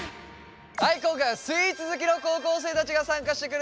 今回はスイーツ好きの高校生たちが参加してくれてます。